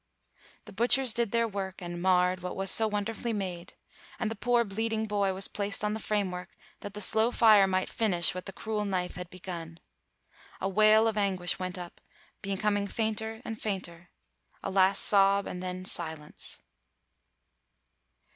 '' The butchers did their work and marred what was so wonderfully made, and the poor bleeding boy was placed on the frame work that the slow fire might finish what the cruel knife had begun. A wail of anguish went up, becoming fainter and fainter — a last sob, and then silence.